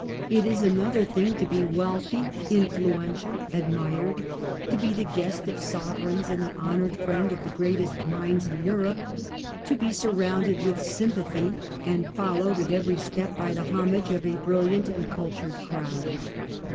It is another thing to be wealthy, influential, admired ; to be the guest of sovereigns, and the honored friend of the greatest minds in Europe; to be sur rounded with sympathy, and followed at every step by the homage of a brilliant and cultured crowd.